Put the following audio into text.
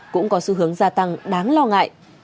cũng có xu hướng gia tăng đáng lo ngại